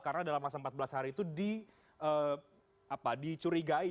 karena dalam masa empat belas hari itu dicurigai